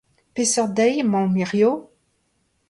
Peseurt deiz emaomp hiziv ?